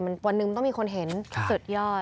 วันหนึ่งมันต้องมีคนเห็นสุดยอด